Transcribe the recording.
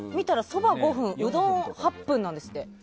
そば５分うどん８分なんですって。